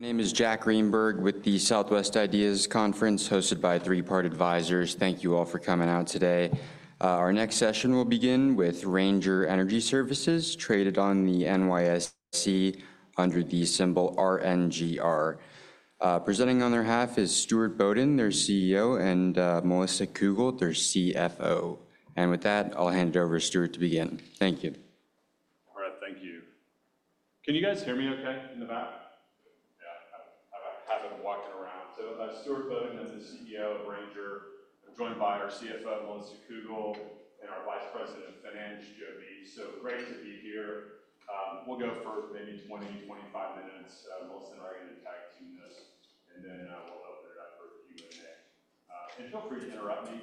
Name is Jack Greenberg with the Southwest IDEAS Conference hosted by Three Part Advisors. Thank you all for coming out today. Our next session will begin with Ranger Energy Services, traded on the NYSE under the symbol RNGR. Presenting on their behalf is Stuart Bodden, their CEO, and Melissa Cougle, their CFO. And with that, I'll hand it over to Stuart to begin. Thank you. All right, thank you. Can you guys hear me okay in the back? Yeah, I'm having a walk around. So Stuart Bodden I'm the CEO of Ranger, joined by our CFO, Melissa Cougle, and our Vice President of Finance, Joe Mears. So great to be here. We'll go for maybe 20, 25 minutes. Melissa and I will tag team this, and then we'll open it up for the Q&A. And feel free to interrupt me.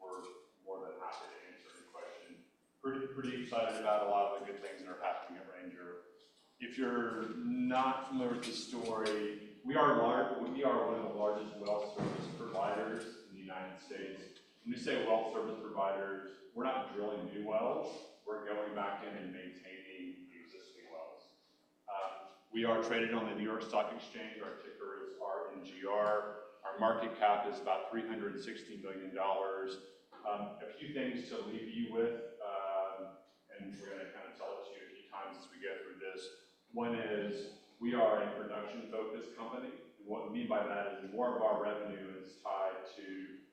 We're more than happy to answer any question. Pretty excited about a lot of the good things that are happening at Ranger. If you're not familiar with the story, we are one of the largest well service providers in the United States. When we say well service providers, we're not drilling new wells. We're going back in and maintaining the existing wells. We are traded on the New York Stock Exchange. Our ticker is RNGR. Our market cap is about $360 million. A few things to leave you with, and we're going to kind of tell it to you a few times as we go through this. One is we are a production-focused company. And what we mean by that is more of our revenue is tied to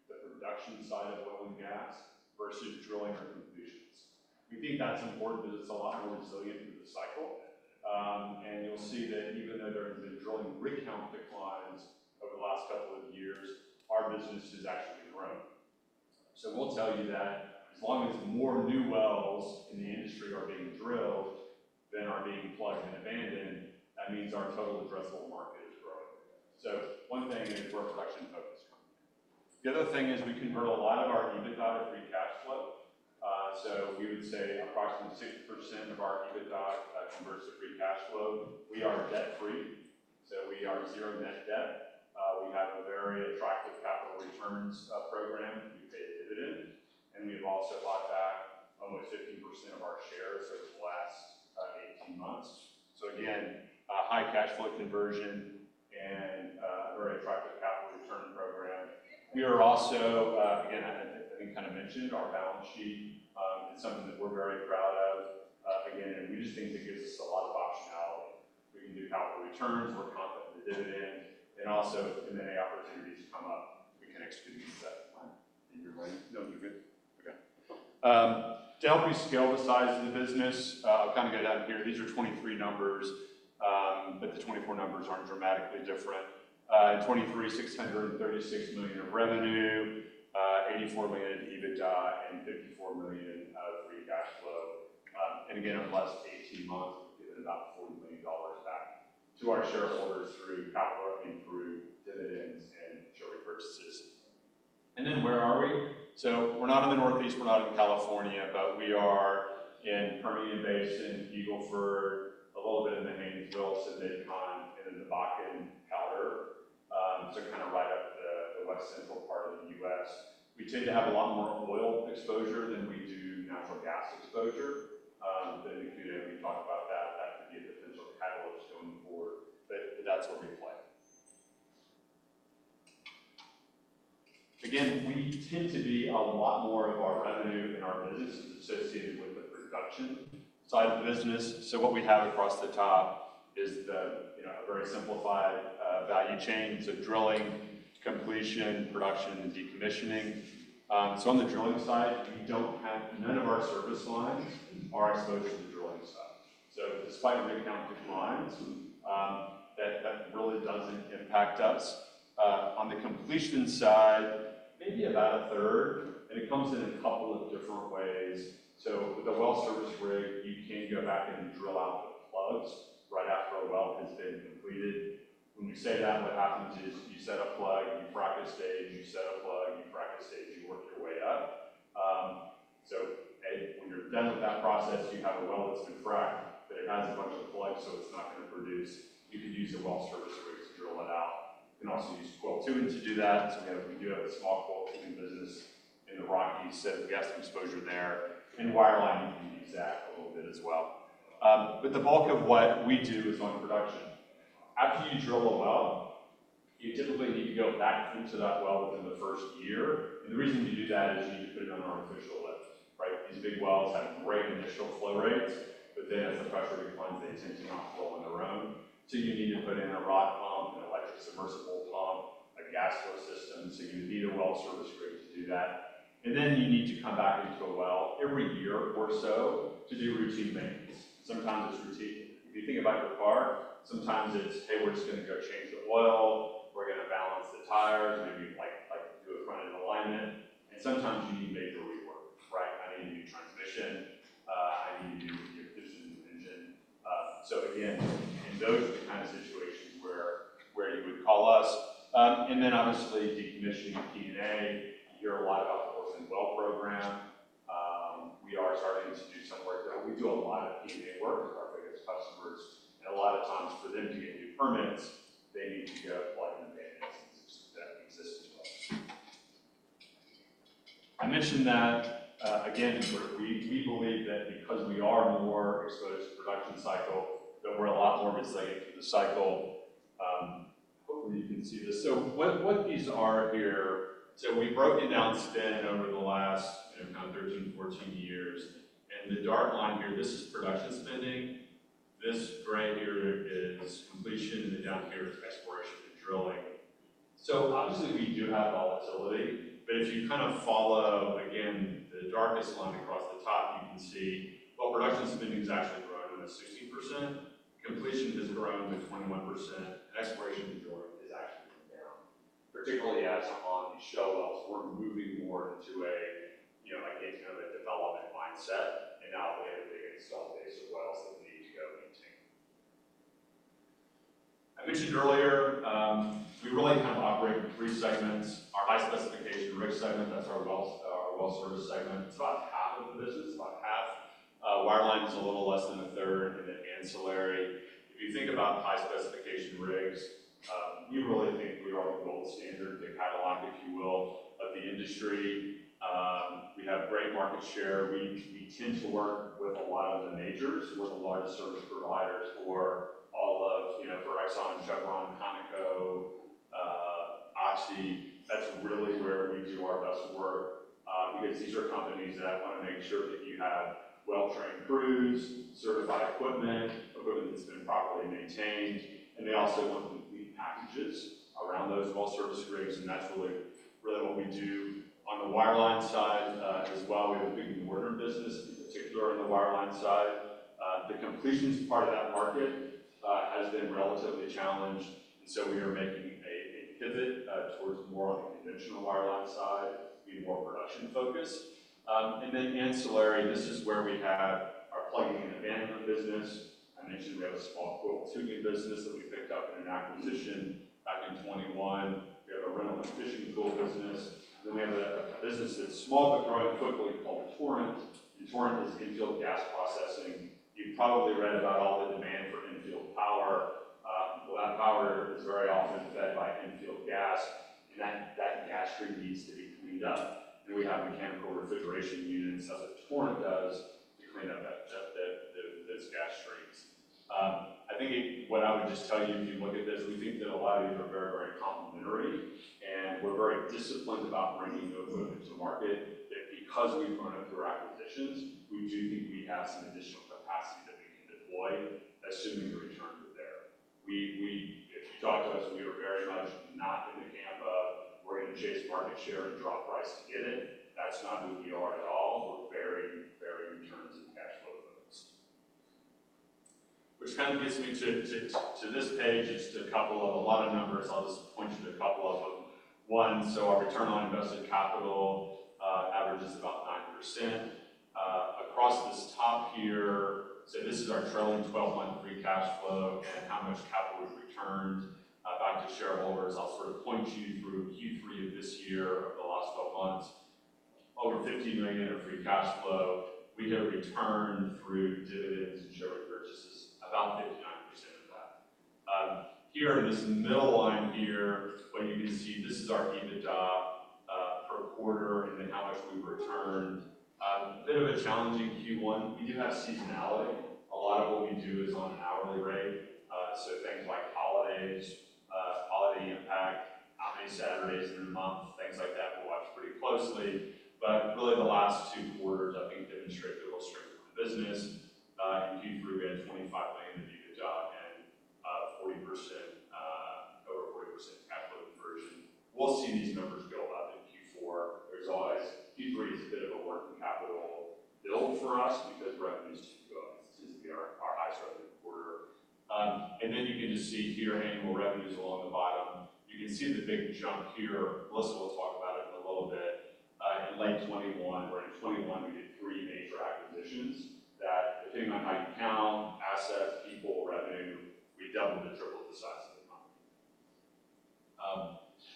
the production side of oil and gas versus drilling or completions. We think that's important because it's a lot more resilient through the cycle. And you'll see that even though there have been drilling rig count declines over the last couple of years, our business has actually grown. So we'll tell you that as long as more new wells in the industry are being drilled than are being plugged and abandoned, that means our total addressable market is growing. So one thing is we're a production-focused company. The other thing is we convert a lot of our EBITDA to free cash flow. So we would say approximately 60% of our EBITDA converts to free cash flow. We are debt-free. So we are zero net debt. We have a very attractive capital returns program. We pay a dividend. And we have also bought back almost 15% of our shares over the last 18 months. So again, high cash flow conversion and a very attractive capital return program. We are also, again, I think I kind of mentioned our balance sheet. It's something that we're very proud of. Again, we just think it gives us a lot of optionality. We can do capital returns. We're confident in the dividend. And also if M&A opportunities come up, we can execute these at the time. You're ready? No, you're good. Okay. To help you scale the size of the business, I'll kind of go down here. These are 2023 numbers, but the 2024 numbers aren't dramatically different. In 2023, $636 million of revenue, $84 million of EBITDA, and $54 million of free cash flow, and again, over the last 18 months, we've given about $40 million back to our shareholders through capital improvement, dividends, and share repurchases, and then where are we? So, we're not in the Northeast. We're not in California, but we are in Permian Basin, Eagle Ford, a little bit in the Haynesville, Anadarko, and then the Bakken, Rockies, so kind of right up the west-central part of the U.S. We tend to have a lot more oil exposure than we do natural gas exposure, but we talked about that. That could be a potential catalyst going forward, but that's where we play. Again, we tend to be a lot more of our revenue in our business is associated with the production side of the business. So what we have across the top is a very simplified value chain: drilling, completion, production, and decommissioning. So on the drilling side, none of our service lines are exposed to the drilling side. So despite rig counts, that really doesn't impact us. On the completion side, maybe about a third. And it comes in a couple of different ways. So with the well service rig, you can go back and drill out the plugs right after a well has been completed. When we say that, what happens is you set a plug, you frac a stage, you set a plug, you frac a stage, you work your way up. So when you're done with that process, you have a well that's been fracked, but it has a bunch of plugs, so it's not going to produce. You can use a well service rig to drill it out. You can also use coiled tubing to do that. So we do have a small coiled tubing business in the Rockies that has gas exposure there. And wireline, you can use that a little bit as well. But the bulk of what we do is on production. After you drill a well, you typically need to go back into that well within the first year. And the reason you do that is you need to put it on artificial lifts. These big wells have great initial flow rates, but then as the pressure declines, they tend to not flow on their own. You need to put in a rod pump, an electric submersible pump, a gas lift. You need a well service rig to do that. And then you need to come back into a well every year or so to do routine maintenance. Sometimes it's routine. If you think about your car, sometimes it's, hey, we're just going to go change the oil. We're going to balance the tires, maybe do a front-end alignment. And sometimes you need major rework. I need to do transmission. I need to do a new engine. So again, in those kind of situations where you would call us. And then obviously decommissioning P&A. You hear a lot about the Orphan Well Program. We are starting to do some work there. We do a lot of P&A work with our biggest customers. A lot of times for them to get new permits, they need to go plug in the maintenance system that we exist as well. I mentioned that again. We believe that because we are more exposed to production cycle, that we're a lot more resilient through the cycle. Hopefully, you can see this. What these are here. We've broken down spend over the last kind of 13, 14 years. The dark line here, this is production spending. This gray here is completion, and the down here is exploration and drilling. Obviously we do have volatility. If you kind of follow, again, the darkest line across the top, you can see what production spending has actually grown at 60%. Completion has grown to 21%. Exploration and drilling has actually come down, particularly as on these shale wells. We're moving more into a, I think, kind of a development mindset. Now we have a big installed base of wells that we need to go maintaining. I mentioned earlier, we really kind of operate in three segments. Our high-specification rig segment, that's our well service segment. It's about half of the business, about half. Wireline is a little less than a third, and then ancillary. If you think about high-specification rigs, we really think we are the gold standard to kind of lock, if you will, of the industry. We have great market share. We tend to work with a lot of the majors. We're the largest service provider for all of Exxon, Chevron, Conoco, Oxy. That's really where we do our best work because these are companies that want to make sure that you have well-trained crews, certified equipment, equipment that's been properly maintained. They also want complete packages around those well service rigs. And that's really what we do. On the wireline side as well, we have a big major business, particularly on the wireline side. The completions part of that market has been relatively challenged. And so we are making a pivot towards more on the conventional wireline side, being more production-focused. And then ancillary, this is where we have our plugging and abandonment business. I mentioned we have a small coiled tubing business that we picked up in an acquisition back in 2021. We have a rental and fishing tool business. Then we have a business that's small but growing quickly called Torrent. And Torrent is infill gas processing. You've probably read about all the demand for infill power. Well, that power is very often fed by infill gas. And that gas stream needs to be cleaned up. And we have mechanical refrigeration units, as Torrent does, to clean up those gas streams. I think what I would just tell you, if you look at this, we think that a lot of these are very, very complementary. And we're very disciplined about bringing new equipment to market. Because we've grown up through acquisitions, we do think we have some additional capacity that we can deploy, assuming the returns are there. If you talk to us, we are very much not in the camp of, "We're going to chase market share and drop price to get it." That's not who we are at all. We're very, very returns and cash flow focused. Which kind of gets me to this page, just a couple of a lot of numbers. I'll just point you to a couple of them. One, so our return on invested capital averages about 9%. Across this top here, so this is our trailing 12-month free cash flow and how much capital we've returned back to shareholders. I'll sort of point you through Q3 of this year of the last 12 months. Over $15 million in our free cash flow. We have returned through dividends and share repurchases, about 59% of that. Here in this middle line here, what you can see, this is our EBITDA per quarter and then how much we've returned. A bit of a challenging Q1. We do have seasonality. A lot of what we do is on an hourly rate. So things like holidays, holiday impact, how many Saturdays in a month, things like that we'll watch pretty closely. But really the last two quarters, I think, demonstrate the real strength of the business. In Q3, we had $25 million in EBITDA and over 40% cash flow conversion. We'll see these numbers go up in Q4. There's always Q3 is a bit of a working capital build for us because revenue is too good. This is our highest revenue quarter, and then you can just see here annual revenues along the bottom. You can see the big jump here. Melissa will talk about it in a little bit. In late 2021, or in 2021, we did three major acquisitions that, depending on how you count assets, people, revenue, we doubled and tripled the size of the company.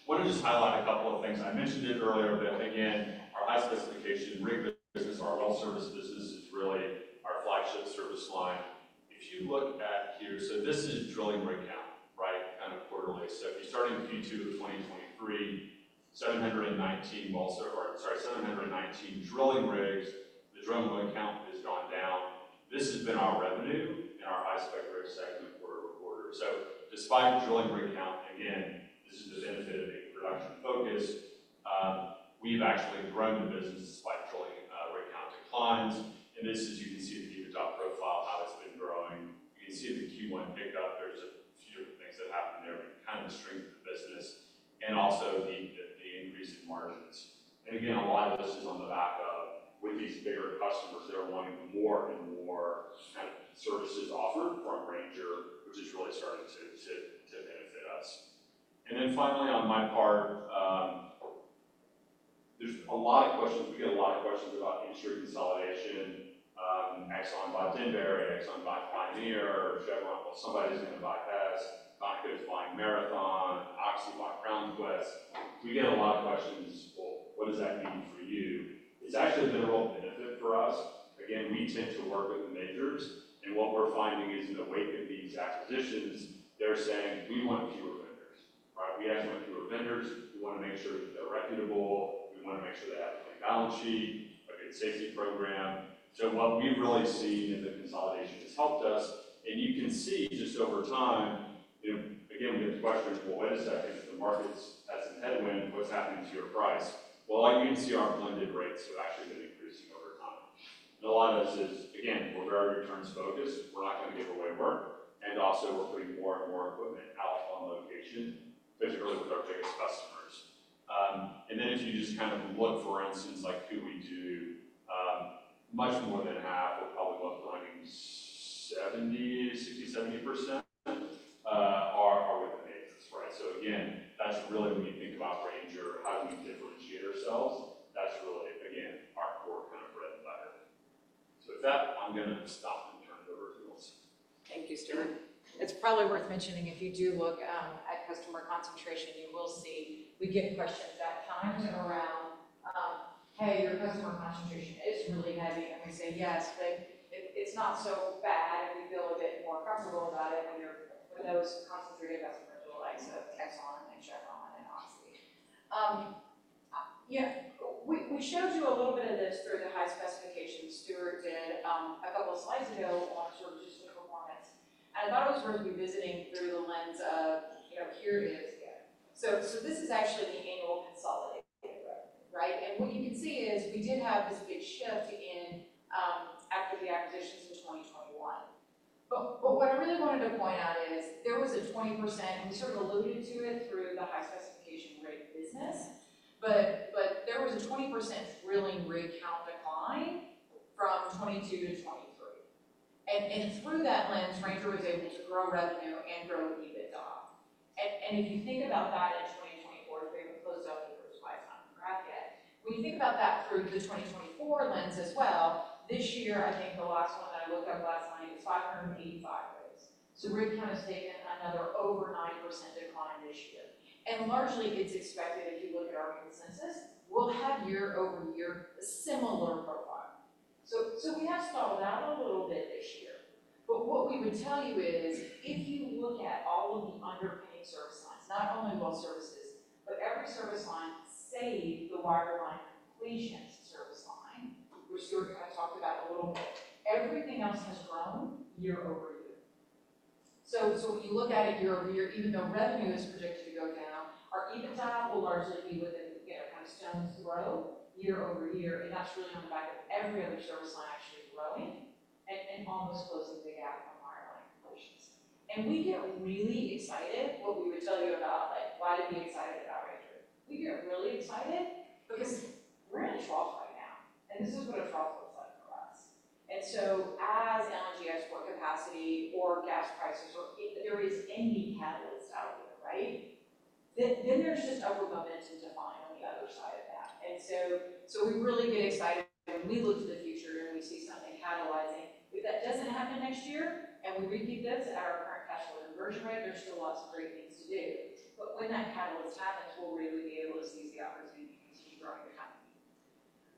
Wanted to just highlight a couple of things. I mentioned it earlier, but again, our high-specification rig business, our well service business is really our flagship service line. If you look at here, so this is drilling rig count, kind of quarterly. So if you start in Q2 of 2023, 719 wells or sorry, 719 drilling rigs. The drilling rig count has gone down. This has been our revenue in our high-spec rig segment quarter over quarter. So despite drilling rig count, again, this is the benefit of being production-focused. We've actually grown the business despite drilling rig count declines. And this is, you can see the EBITDA profile, how it's been growing. You can see the Q1 pickup. There's a few different things that happened there to kind of strengthen the business and also the increase in margins. And again, a lot of this is on the back of, with these bigger customers, they're wanting more and more kind of services offered from Ranger, which is really starting to benefit us. And then finally, on my part, there's a lot of questions. We get a lot of questions about industry consolidation. Exxon bought Denbury. Exxon bought Pioneer. Chevron bought somebody who's going to buy Hess. Conoco's buying Marathon. Oxy bought CrownQuest. We get a lot of questions, "Well, what does that mean for you?" It's actually a minimal benefit for us. Again, we tend to work with the majors. And what we're finding is in the wake of these acquisitions, they're saying, "We want fewer vendors. We actually want fewer vendors. We want to make sure that they're reputable. We want to make sure they have a clean balance sheet, a good safety program." So what we've really seen in the consolidation has helped us. And you can see just over time, again, we get the question, "Well, wait a second. The market has some headwind. What's happening to your price?" Well, like you can see, our blended rates have actually been increasing over time. And a lot of this is, again, we're very returns-focused. We're not going to give away work. And also we're putting more and more equipment out on location, particularly with our biggest customers. And then if you just kind of look, for instance, like who we do, much more than half, we're probably both running 60%-70% are with the majors. So again, that's really when you think about Ranger, how do we differentiate ourselves? That's really, again, our core kind of bread and butter. So with that, I'm going to stop and turn it over to Melissa. Thank you, Stuart. It's probably worth mentioning if you do look at customer concentration, you will see we get questions at times around, "Hey, your customer concentration is really heavy." And we say, "Yes, but it's not so bad." And we feel a bit more comfortable about it when those concentrated customers are like Exxon and Chevron and Oxy. Yeah. We showed you a little bit of this through the high-specification Stuart did a couple of slides ago on sort of just the performance, and I thought it was worth revisiting through the lens of, "Here it is again," so this is actually the annual consolidated revenue, and what you can see is we did have this big shift after the acquisitions in 2021, but what I really wanted to point out is there was a 20%, and we sort of alluded to it through the high-specification rig business, but there was a 20% drilling rig count decline from 2022 to 2023, and through that lens, Ranger was able to grow revenue and grow EBITDA. And if you think about that in 2024, if we haven't closed out the first half yet, when you think about that through the 2024 lens as well, this year, I think the last one that I looked at last night is 585 rigs. So rig count has taken another over 9% decline this year. And largely, it's expected if you look at our consensus, we'll have year-over-year a similar profile. So we have stalled out a little bit this year. But what we would tell you is if you look at all of the underpinning service lines, not only well services, but every service line save the wireline completion service line, which Stuart kind of talked about a little bit, everything else has grown year-over-year. So when you look at it year-over-year, even though revenue is projected to go down, our EBITDA will largely be within kind of stone's throw year-over-year. And that's really on the back of every other service line actually growing and almost closing the gap on wireline completions. And we get really excited. What we would tell you about, why to be excited about Ranger. We get really excited because we're in a trough right now. And this is what a trough looks like for us. And so as LNG export capacity or gas prices or there is any catalyst out there, then there's just upward momentum to find on the other side of that. And so we really get excited when we look to the future and we see something catalyzing. If that doesn't happen next year and we repeat this at our current cash flow conversion rate, there's still lots of great things to do, but when that catalyst happens, we'll really be able to seize the opportunity to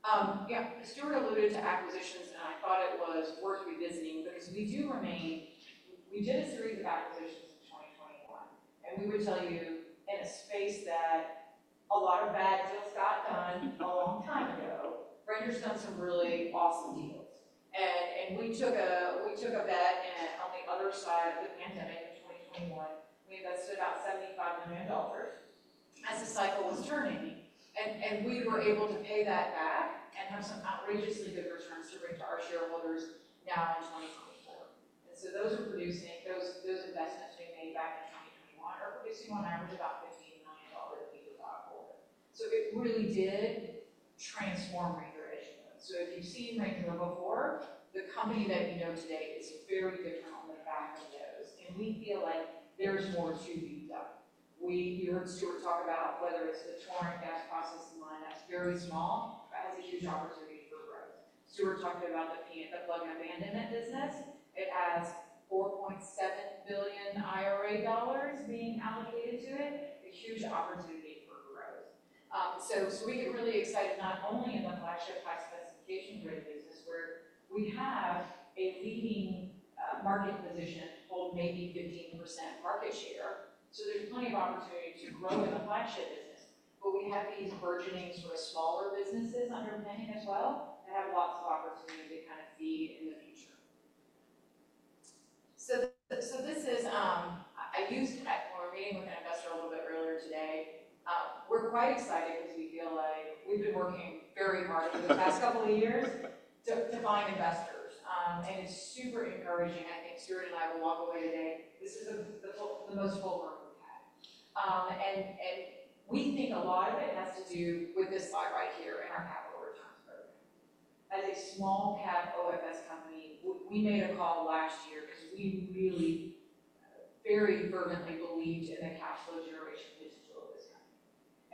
keep growing the company. Yeah. Stuart alluded to acquisitions, and I thought it was worth revisiting because we did a series of acquisitions in 2021, and we would tell you in a space that a lot of bad deals got done a long time ago, Ranger's done some really awesome deals, and we took a bet on the other side of the pandemic in 2021. We invested about $75 million as the cycle was turning, and we were able to pay that back and have some outrageously good returns to bring to our shareholders now in 2024. And so those investments we made back in 2021 are producing on average about $15 million in EBITDA per quarter. So it really did transform Ranger as you know. So if you've seen Ranger before, the company that we know today is very different on the back of those. And we feel like there's more to be done. You heard Stuart talk about whether it's the Torrent gas processing line. That's very small, but it has a huge opportunity for growth. Stuart talked about the plug and abandonment business. It has $4.7 billion IRA dollars being allocated to it. A huge opportunity for growth. So we get really excited not only in the flagship high-specification rig business where we have a leading market position holding maybe 15% market share. So there's plenty of opportunity to grow in the flagship business. But we have these burgeoning sort of smaller businesses underpinning as well that have lots of opportunity to kind of feed in the future. So this is. I used it when we were meeting with an investor a little bit earlier today. We're quite excited because we feel like we've been working very hard over the past couple of years to find investors. And it's super encouraging. I think Stuart and I will walk away today. This is the most full room we've had. And we think a lot of it has to do with this slide right here in our capital returns program. As a small cap OFS company, we made a call last year because we really very fervently believed in the cash flow generation potential of this company.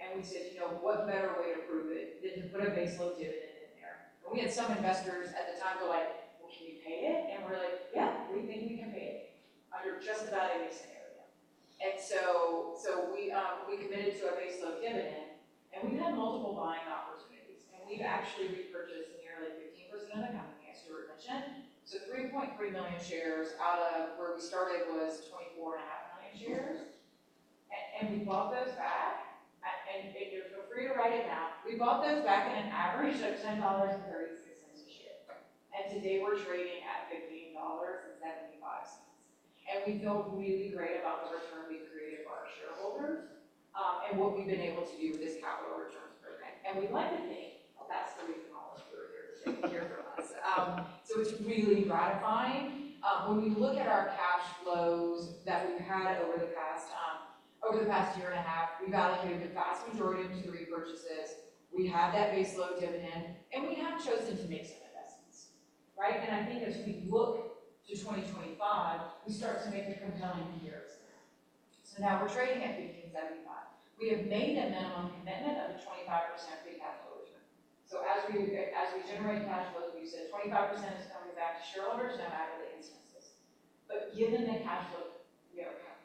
And we said, "What better way to prove it than to put a base load dividend in there?" And we had some investors at the time were like, "Well, can you pay it?" And we're like, "Yeah, we think we can pay it under just about any scenario." And so we committed to a base load dividend. And we've had multiple buying opportunities. And we've actually repurchased nearly 15% of the company, as Stuart mentioned. So 3.3 million shares out of where we started was 24.5 million shares. And we bought those back. And feel free to write it now. We bought those back at an average of $10.36 a share. And today we're trading at $15.75. And we feel really great about the return we've created for our shareholders and what we've been able to do with this capital returns program. And we'd like to think, "Well, that's the reason all of you are here today to hear from us." So it's really gratifying. When we look at our cash flows that we've had over the past year and a half, we've allocated the vast majority into the repurchases. We have that base load dividend. And we have chosen to make some investments. And I think as we look to 2025, we start to make a compelling comparison there. So now we're trading at $15.75. We have made a minimum commitment of a 25% free cash flow return. So as we generate cash flow, as we said, 25% is coming back to shareholders no matter the instances. But given the cash flow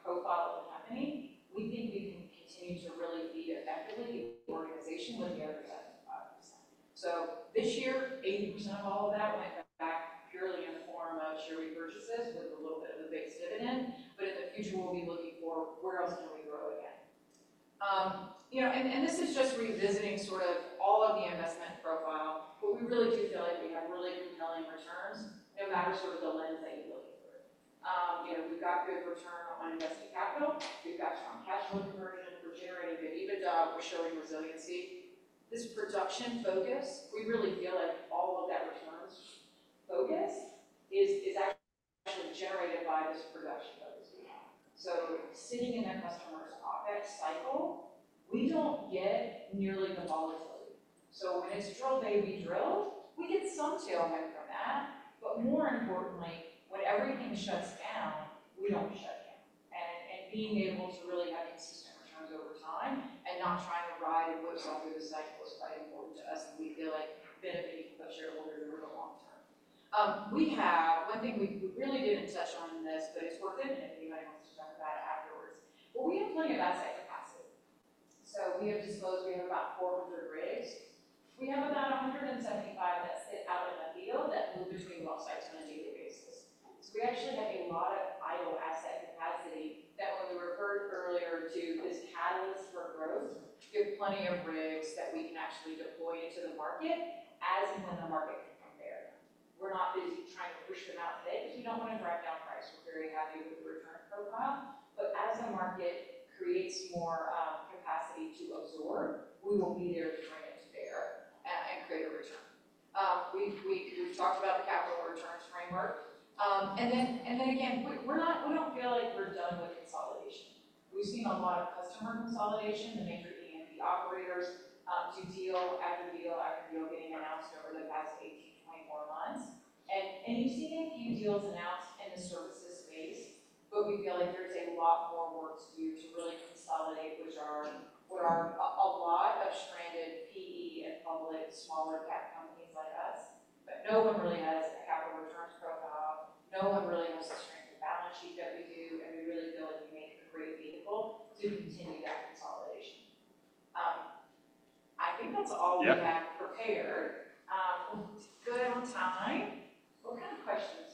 profile of the company, we think we can continue to really lead effectively the organization with the other 75%. So this year, 80% of all of that went back purely in the form of share repurchases with a little bit of the base dividend. But in the future, we'll be looking for where else can we grow again. And this is just revisiting sort of all of the investment profile. But we really do feel like we have really compelling returns no matter sort of the lens that you're looking through. We've got good return on invested capital. We've got strong cash flow conversion. We're generating good EBITDA. We're showing resiliency. This production focus, we really feel like all of that returns focus is actually generated by this production focus we have. So sitting in a customer's office cycle, we don't get nearly the volatility. So when it's drill day, we drill. We get some tailwind from that. But more importantly, when everything shuts down, we don't shut down. Being able to really have consistent returns over time and not trying to ride and whip you through the cycle is quite important to us. We feel like benefiting from the shareholders over the long term. One thing we really didn't touch on in this, but it's worth it. If anybody wants to talk about it afterwards, we have plenty of asset capacity. We have disclosed we have about 400 rigs. We have about 175 that sit out in the field that move between well sites on a daily basis. We actually have a lot of idle asset capacity that when we referred earlier to this catalyst for growth, we have plenty of rigs that we can actually deploy into the market as and when the market can come there. We're not busy trying to push them out today because we don't want to drive down price. We're very happy with the return profile. But as the market creates more capacity to absorb, we will be there to bring it to bear and create a return. We've talked about the capital returns framework. And then again, we don't feel like we're done with consolidation. We've seen a lot of customer consolidation. The major E&D operators do deal after deal after deal getting announced over the past 18-24 months. And you've seen a few deals announced in the services space. But we feel like there's a lot more work to do to really consolidate, which are a lot of stranded PE and public smaller cap companies like us. But no one really has a capital returns profile. No one really has the strength of balance sheet that we do. And we really feel like we make a great vehicle to continue that consolidation. I think that's all we have prepared. We're good on time. What kind of questions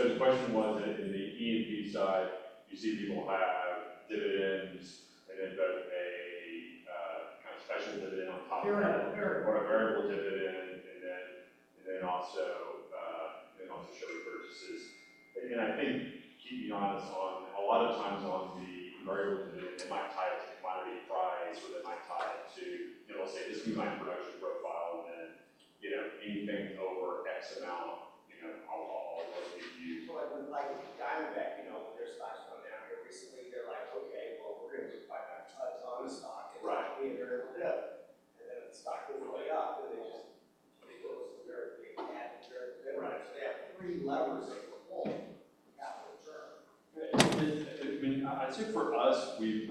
do you have? If you stop the mutual return of capital, the state goal is 25% each and every year. I'm sure you've done a lot more there. Right. Correct. Would you guys anybody in the oil service side looked at E&Ps and said, "We should have a base dividend and a variable dividend all along with the buyback?" Which is pretty common in the E&P space. Not with anybody in the oil service. Yeah. There are questions to paraphrase that in there too because it was a repeated question. So the question was, in the E&P side, you see people have dividends and then a kind of special dividend on top of that or a variable dividend and then also share repurchases. And I think keeping honest on a lot of times on the variable dividend, it might tie it to commodity price or it might tie it to, let's say, this could be my production profile and then anything over X amount, I'll return it to you. Like Diamondback, when their stock's come down here recently, they're like, "Okay, well, we're going to do a buyback on a stock and we'll be in there and pick it up." And then the stock goes way up and they just. They go to some very big M&As and very good. So they have three levers they can pull for capital return. I mean, I'd say for us, we've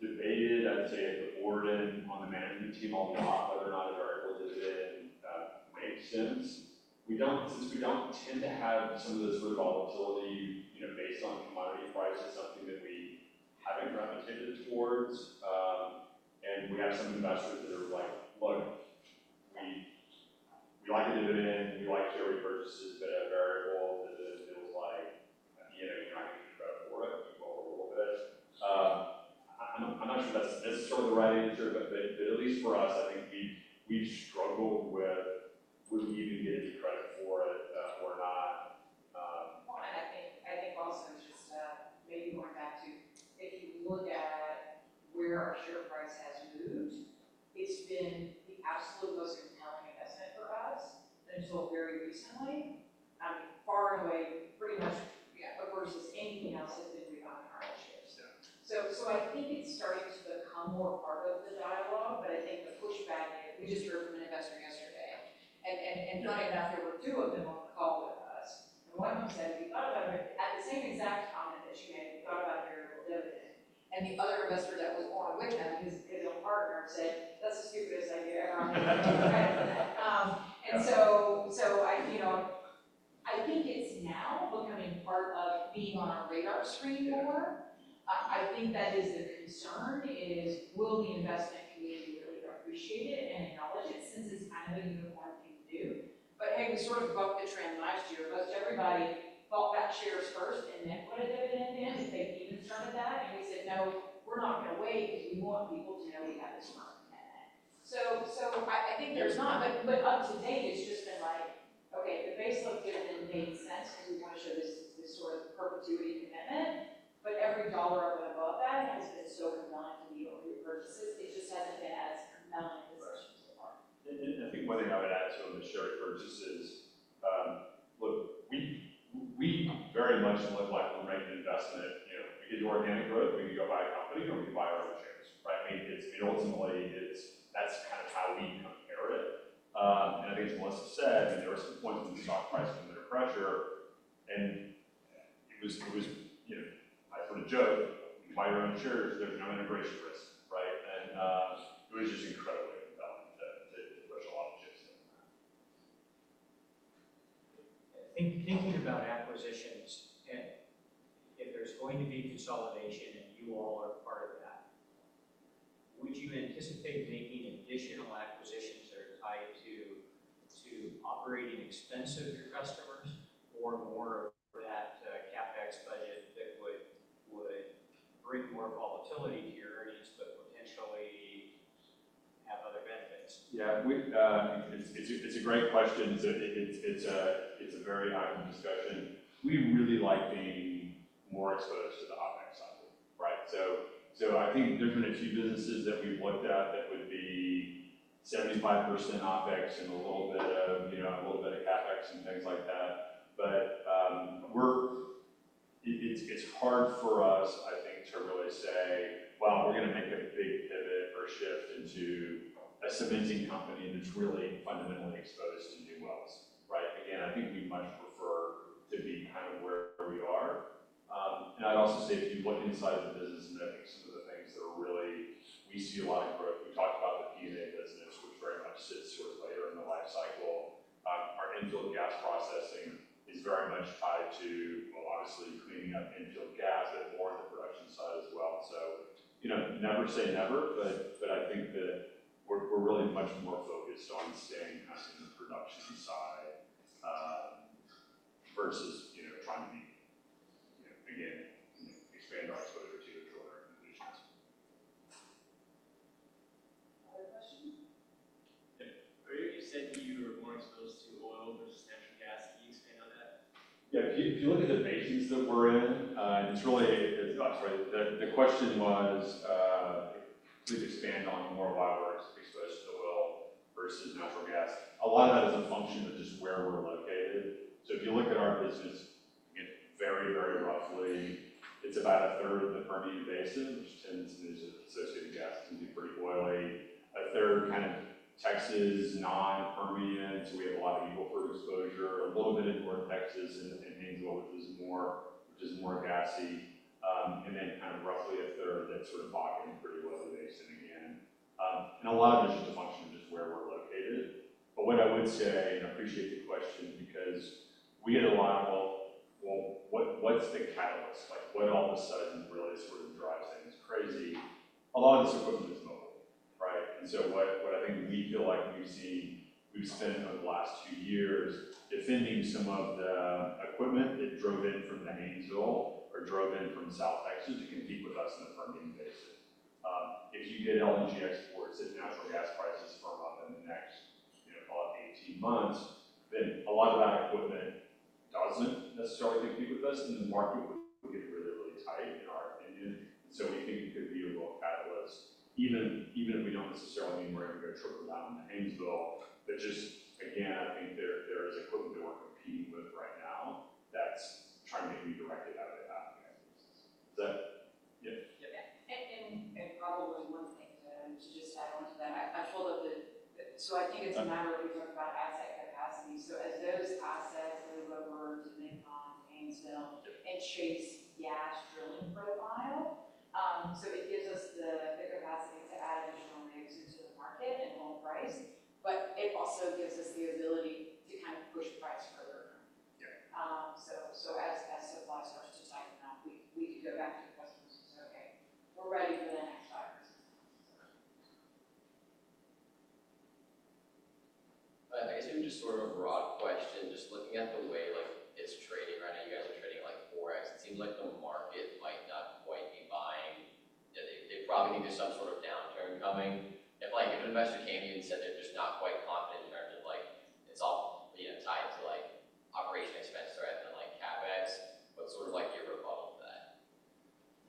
debated, I'd say, at the board and on the management team a lot whether or not a variable dividend makes sense. Since we don't tend to have some of this volatility based on commodity price is something that we haven't gravitated towards, and we have some investors that are like, "Look, we like a dividend. We like share repurchases, but a variable dividend feels like you're not getting credit for it. You go up a little bit." I'm not sure that's necessarily the right answer, but at least for us, I think we've struggled with would we even get any credit for it or not, well, and I think also just maybe going back to if you look at where our share price has moved, it's been the absolute most compelling investment for us until very recently. I mean, far and away, pretty much versus anything else has been rebound on our shares. So I think it's starting to become more part of the dialogue. But I think the pushback is we just heard from an investor yesterday. And not a good enough, there were two of them on the call with us. And one of them said, "Have you thought about it?" At the same exact comment that you made, "Have you thought about a variable dividend?" And the other investor that was on with him, his partner, said, "That's the stupidest idea ever." And so I think it's now becoming part of being on our radar screen more. I think that is the concern is will the investment community really appreciate it and acknowledge it since it's kind of a uniform thing to do? But hey, we sort of bucked the trend last year. Most everybody bought back shares first and then put a dividend in and they demonstrated that. And we said, "No, we're not going to wait because we want people to know we have this firm commitment." So I think there's not. But up to date, it's just been like, "Okay, the base load dividend made sense because we want to show this sort of perpetuity commitment." But every dollar up and above that has been so compelling to be over repurchases. It just hasn't been as compelling as the questions so far. And I think one thing I would add to it with share repurchases, look, we very much look like we're making an investment. We can do organic growth. We can go buy a company or we can buy our own shares. I mean, ultimately, that's kind of how we compare it. I think as Melissa said, I mean, there were some points when the stock price was under pressure. It was, I put a joke, "You buy your own shares, there's no integration risk." It was just incredibly compelling to push a lot of chips in there. Thinking about acquisitions, if there's going to be consolidation and you all are part of that, would you anticipate making additional acquisitions that are tied to operating expense of your customers or more of that CapEx budget that would bring more volatility to your earnings but potentially have other benefits? Yeah. It's a great question. It's a very optimistic question. We really like being more exposed to the OpEx side. So I think there's been a few businesses that we've looked at that would be 75% OpEx and a little bit of CapEx and things like that. But it's hard for us, I think, to really say, "Well, we're going to make a big pivot or shift into a cementing company that's really fundamentally exposed to new wells." Again, I think we'd much prefer to be kind of where we are. And I'd also say if you look inside the business and I think some of the things that are really we see a lot of growth. We talked about the P&A business, which very much sits sort of later in the life cycle. Our infill gas processing is very much tied to, well, obviously, cleaning up infill gas, but more on the production side as well. So never say never, but I think that we're really much more focused on staying kind of in the production side versus trying to be, again, expand our exposure to the drilling and the completion. Other questions? You said that you were more exposed to oil versus natural gas. Can you expand on that? Yeah. If you look at the basins that we're in, it's really the question was, could we expand on more why we're exposed to oil versus natural gas? A lot of that is a function of just where we're located. So if you look at our business, very, very roughly, it's about a third of the Permian Basin, which tends to be associated with gas and can be pretty oily. A third kind of Texas, non-Permian. So we have a lot of Eagle Ford exposure, a little bit in North Texas and Anadarko, which is more gassy. And then kind of roughly a third that's sort of Bakken pretty well in the basin again. And a lot of it is just a function of just where we're located. But what I would say, and I appreciate the question, because we had a lot of, well, what's the catalyst? What all of a sudden really sort of drives things crazy? A lot of this equipment is mobile. And so what I think we feel like we've seen, we've spent over the last two years defending some of the equipment that drove in from the Anadarko or drove in from South Texas to compete with us in the Permian Basin. If you get LNG exports at natural gas prices for roughly the next, call it, 18 months, then a lot of that equipment doesn't necessarily compete with us. And the market would get really, really tight, in our opinion. And so we think it could be a real catalyst, even if we don't necessarily mean we're going to go triple down in the Eagle but just, again, I think there is equipment that we're competing with right now that's trying to be redirected out of the CapEx basis. Is that a yes? Yeah. And probably one thing to just add on to that. I'm sure that I think it's a matter of we talk about asset capacity. So as those assets move over to Permian, Eagle and chase gas drilling profile, so it gives us the capacity to add additional rigs into the market and hold price. But it also gives us the ability to kind of push price further. So as supply starts to tighten up, we can go back to the customers and say, "Okay, we're ready for the next five years." I guess maybe just sort of a broad question. Just looking at the way it's trading, right now, you guys are trading like 4X. It seems like the market might not quite be buying. They probably think there's some sort of downturn coming. If an investor came to you and said they're just not quite confident in terms of it's all tied to operating expenses or CapEx, what's sort of your rebuttal to that?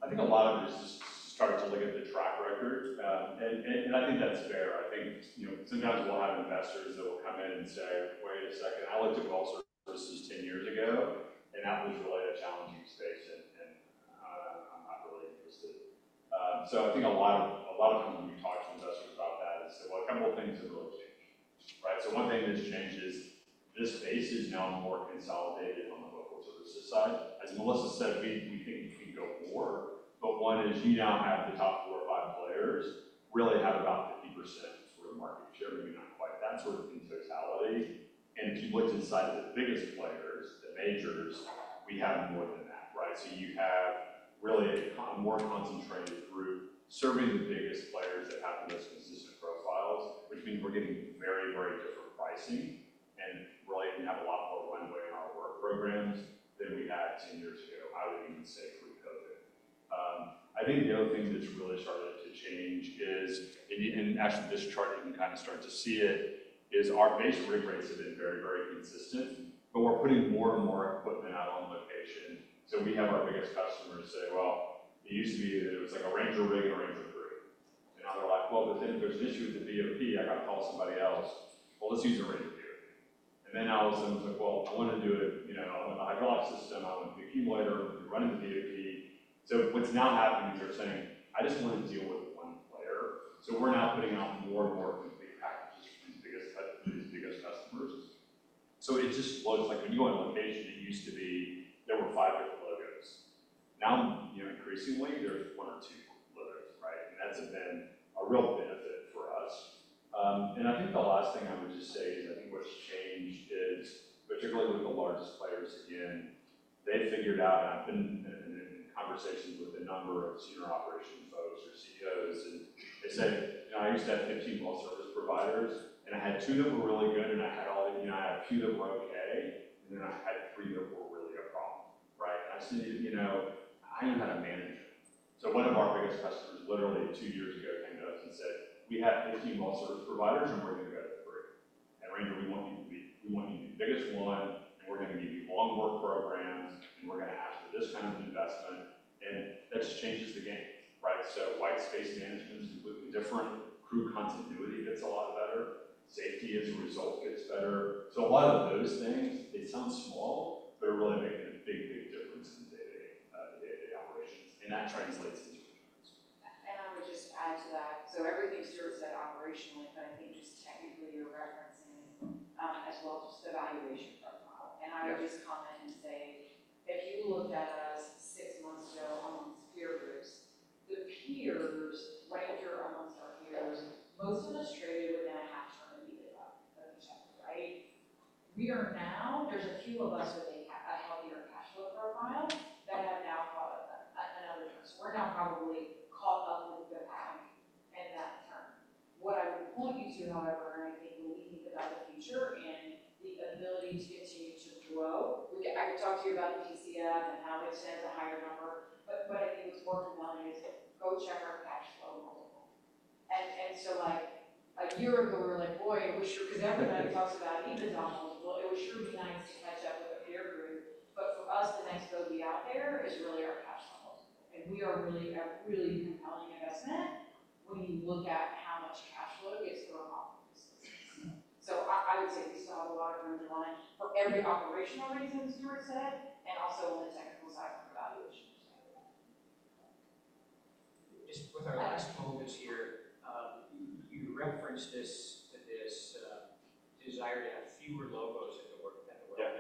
I think a lot of it is just starting to look at the track record, and I think that's fair. I think sometimes we'll have investors that will come in and say, "Wait a second, I looked at oil services 10 years ago, and that was really a challenging space, and I'm not really interested." So I think a lot of times when we talk to investors about that, they say, "Well, a couple of things have really changed." So one thing that's changed is this space is now more consolidated on the local services side. As Melissa said, we think we can go more. But one is you now have the top four or five players really have about 50% sort of market share, maybe not quite that sort of in totality. And if you looked inside the biggest players, the majors, we have more than that. So you have really a more concentrated group serving the biggest players that have the most consistent profiles, which means we're getting very, very different pricing and really have a lot more runway in our work programs than we had 10 years ago, I would even say pre-COVID. I think the other thing that's really started to change is, and actually just starting to kind of start to see it, is our base rig rates have been very, very consistent, but we're putting more and more equipment out on location. So we have our biggest customers say, "Well, it used to be that it was like a Ranger rig and a Ranger crew." And now they're like, "Well, but then if there's an issue with the BOP, I got to call somebody else." Well, let's use a Ranger crew. Then all of a sudden it's like, "Well, I want to do it on the hydraulic system. I want to do the accumulator. I want to do running the BOP." So what's now happening is they're saying, "I just want to deal with one player." So we're now putting out more and more complete packages for these biggest customers. So it just looks like when you go on location, it used to be there were five different logos. Now, increasingly, there's one or two logos. And that's been a real benefit for us. I think the last thing I would just say is I think what's changed is, particularly with the largest players again, they've figured out, and I've been in conversations with a number of senior operations folks or CEOs, and they said, "I used to have 15 well service providers, and I had two that were really good, and I had a few that were okay, and then I had three that were really a problem." And I said, "I don't know how to manage it." So one of our biggest customers literally two years ago came to us and said, "We have 15 well service providers, and we're going to go to three. And Ranger, we want you to be we want you to be the biggest one, and we're going to give you long work programs, and we're going to ask for this kind of investment." And that just changes the game. So white space management is completely different. Crew continuity gets a lot better. Safety as a result gets better. So a lot of those things, they sound small, but they're really making a big, big difference in the day-to-day operations. And that translates into returns. And I would just add to that. So everything's sort of said operationally, but I think just technically you're referencing as well just the valuation profile. And I would just comment and say, if you looked at us six months ago amongst peer groups, the peers, Ranger amongst our peers, most of us traded within a half-turn EBITDA multiple of each other. We are now. There's a few of us with a healthier cash flow profile that have now caught up another term, so we're now probably caught up with the pack in that term. What I would point you to, however, and I think what we think about the future and the ability to continue to grow, I talked to you about the FCF and how they tend to hire a number, but I think what's more compelling is go check our cash flow multiple, and so a year ago, we were like, "Boy, it was sure because everybody talks about EBITDA multiple. It was sure be nice to catch up with a peer group," but for us, the next boat we out there is really our cash flow multiple, and we are really a really compelling investment when you look at how much cash flow gets thrown off the business. So, I would say we still have a lot of room to run it for every operational reason, as Stuart said, and also on the technical side from a valuation perspective. Just with our last moments here, you referenced this desire to have fewer logos at the workbench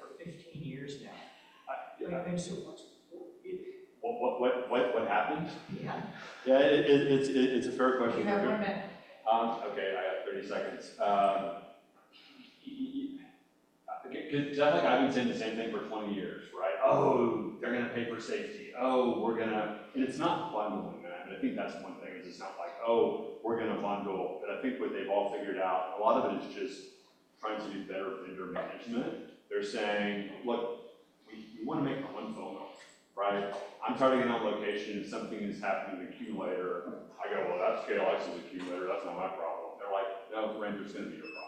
for 15 years now. I've been hearing that so much before. What happened? Yeah. It's a fair question. Okay. I got 30 seconds. Because I've been saying the same thing for 20 years. Oh, they're going to pay for safety. Oh, we're going to, and it's not bundling that. But I think that's one thing is it's not like, "Oh, we're going to bundle." But I think what they've all figured out, a lot of it is just trying to do better vendor management. They're saying, "Look, we want to make the one phone call for everything on location. If something is happening with the accumulator, I go, "Well, that's KLX's accumulator. That's not my problem." They're like, "No, Ranger's going to be your problem.